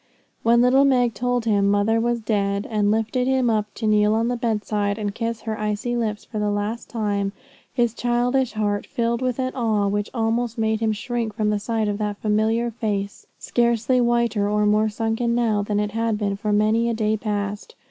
When little Meg told him mother was dead, and lifted him up to kneel on the bedside and kiss her icy lips for the last time, his childish heart was filled with an awe which almost made him shrink from the sight of that familiar face, scarcely whiter or more sunken now than it had been for many a day past.